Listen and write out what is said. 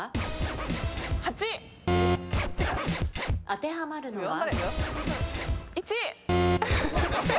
当てはまるのは？